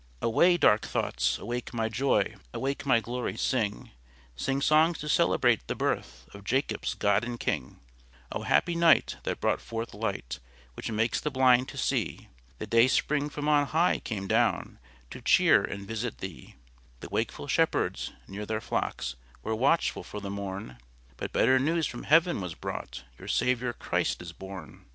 Away, dark thoughts; awake, my joy; Awake, my glory; sing; Sing songs to celebrate the birth Of Jacob's God and King. O happy night, that brought forth light, Which makes the blind to see! The day spring from on high came down To cheer and visit thee. The wakeful shepherds, near their flocks, Were watchful for the morn; But better news from heaven was brought, Your Saviour Christ is born.